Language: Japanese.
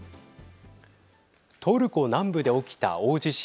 トルコ南部で起きた大地震。